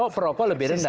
perokok lebih rendah